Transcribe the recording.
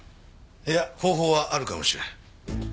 いや方法はあるかもしれん。